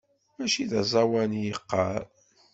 Mačči d aẓawan i yeɣɣar.